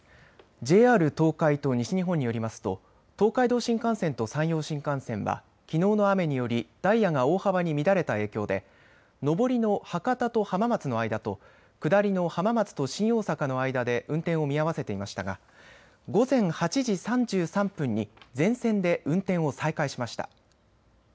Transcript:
ＪＲ東海と西日本によりますと東海道新幹線と山陽新幹線はきのうの雨によりダイヤが大幅に乱れた影響で上りの博多と浜松の間と下りの浜松と新大阪の間で運転を見合わせていましたが午前８時３３分に全線で運転を再開しました。